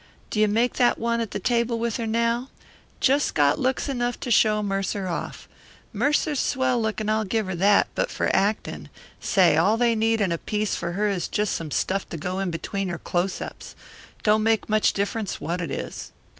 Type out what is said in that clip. Do you make that one at the table with her now? Just got looks enough to show Mercer off. Mercer's swell lookin', I'll give her that, but for actin' say, all they need in a piece for her is just some stuff to go in between her close ups. Don't make much difference what it is.